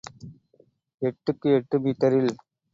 எட்டுக்கு எட்டு மீட்டரில்.